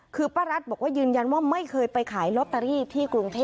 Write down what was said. คือป้ารัฐบอกว่ายืนยันว่าไม่เคยไปขายลอตเตอรี่ที่กรุงเทพ